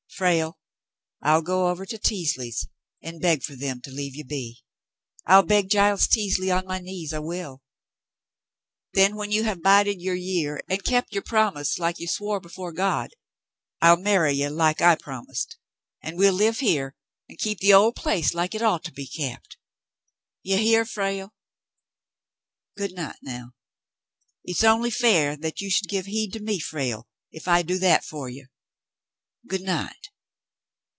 "Frale, I'll go over to Teasleys' and beg for them to leave you be. I'll beg Giles Teasley on my knees, I will. Then when you have bided your year and kept your promise like you swore before God, I'll marry you like I promised, and we'll live here and keep the old place like it ought to be kept. You hear, Frale ? Good night, now. It's only fair you should give heed to me, Frale, if I do that for you. Good night."